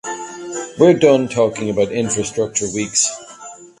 We’re done talking about infrastructure weeks.